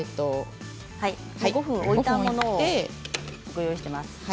５分置いたものをご用意しています。